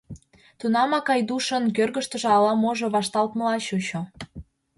Тунамак Айдушын кӧргыштыжӧ ала-можо вашталтмыла чучо.